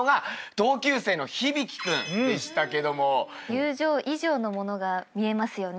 友情以上のものが見えますよね。